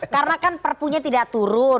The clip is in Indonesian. karena kan perpunya tidak turun